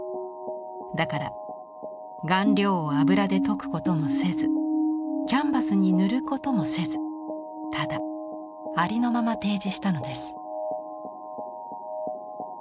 だから顔料を油で溶くこともせずキャンバスに塗ることもせずただありのまま提示したのです。